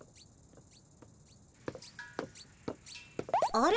あれ？